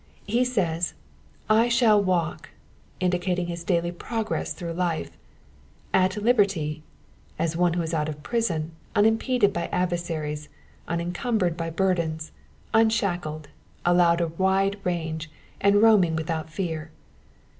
He says, I shall walk," indicating his daily progress through life; at liberty," as one who is out of prison, unimpeded by adversaries, unen cumbered by burdens, unshackled, allowed a wide range, and roaming without fear.